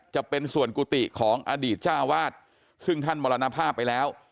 จะเป็นส่วนกุฏิของอดีตเจ้าวาดซึ่งท่านมรณภาพไปแล้ว